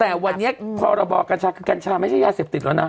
แต่วันนี้พรบกัญชาคือกัญชาไม่ใช่ยาเสพติดแล้วนะ